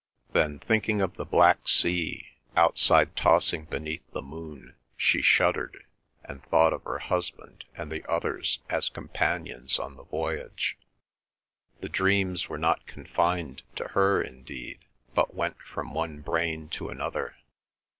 Then, thinking of the black sea outside tossing beneath the moon, she shuddered, and thought of her husband and the others as companions on the voyage. The dreams were not confined to her indeed, but went from one brain to another.